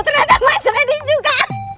ternyata mas randy juga